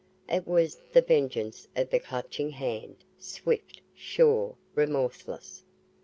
It was the vengeance of the Clutching Hand swift, sure, remorseless.